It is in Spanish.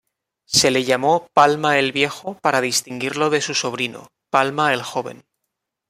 Se le llamó Palma el Viejo para distinguirlo de su sobrino, Palma el Joven.